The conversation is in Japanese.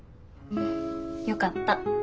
よかった。